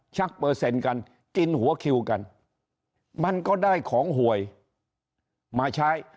เปอร์เซ็นต์กันกินหัวคิวกันมันก็ได้ของหวยมาใช้